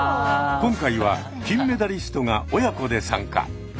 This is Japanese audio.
今回は金メダリストが親子で参加。